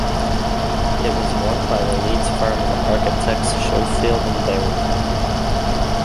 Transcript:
It was won by the Leeds firm of architects Schofield and Berry.